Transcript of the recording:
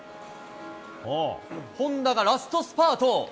本多がラストスパート。